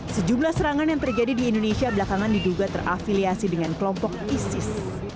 sejumlah serangan yang terjadi di indonesia belakangan diduga terafiliasi dengan kelompok isis